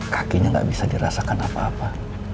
kakinya nggak bisa dirasakan apa apa